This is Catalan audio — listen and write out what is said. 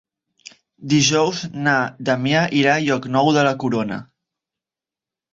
Dijous na Damià irà a Llocnou de la Corona.